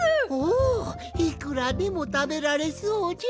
おいくらでもたべられそうじゃ。